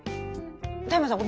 田山さん